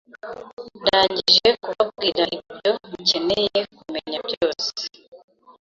Ndangije kubabwira ibyo mukeneye kumenya byose.